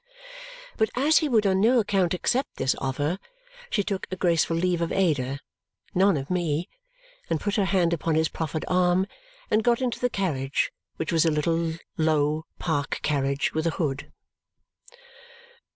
But as he would on no account accept this offer, she took a graceful leave of Ada none of me and put her hand upon his proffered arm, and got into the carriage, which was a little, low, park carriage with a hood.